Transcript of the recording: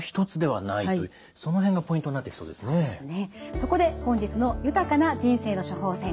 そこで本日の「豊かな人生の処方せん」